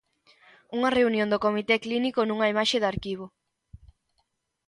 Unha reunión do comité clínico, nunha imaxe de arquivo.